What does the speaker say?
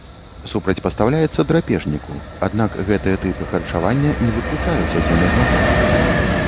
Супрацьпастаўляецца драпежніку, аднак гэтыя тыпы харчавання не выключаюць адзін аднаго.